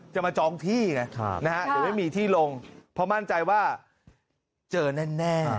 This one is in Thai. มาจองที่ไงเดี๋ยวไม่มีที่ลงเพราะมั่นใจว่าเจอแน่